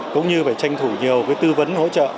cũng như phải tranh thủ nhiều tư vấn hỗ trợ